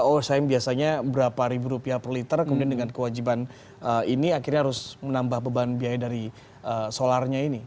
oh saya biasanya berapa ribu rupiah per liter kemudian dengan kewajiban ini akhirnya harus menambah beban biaya dari solarnya ini